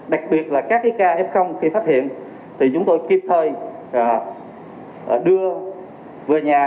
đặc biệt là các cái ca f khi phát hiện thì chúng tôi kịp thời đưa về nhà